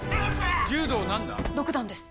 柔道何段？六段です。